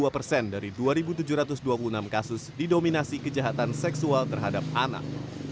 dua puluh dua persen dari dua tujuh ratus dua puluh enam kasus didominasi kejahatan seksual terhadap anak